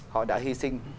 họ đã hy sinh